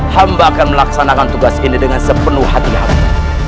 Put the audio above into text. hamba akan melaksanakan tugas ini dengan sepenuh hati hati